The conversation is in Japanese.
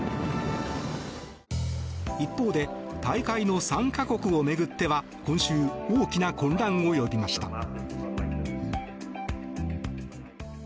一方で大会の参加国を巡っては今週、大きな混乱を呼びました。